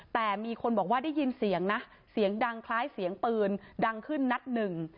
แต่มีคนบอกว่าได้ยินเสียงนะเสียงดังคล้ายเสียงปืนดังขึ้นนัดหนึ่ง